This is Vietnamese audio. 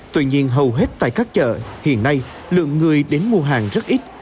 tuy nhiên hầu hết tại các chợ hiện nay lượng người đến mua hàng rất ít